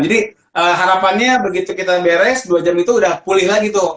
jadi harapannya begitu kita beres dua jam itu udah pulih lagi tuh